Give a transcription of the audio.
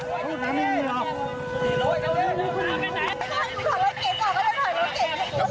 ก็ให้หนูถอยรถเก๋งออกก็เลยถอยรถเก๋งออก